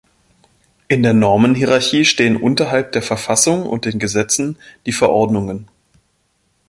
In der Normenhierarchie stehen unterhalb der Verfassung und den Gesetzen die Verordnungen.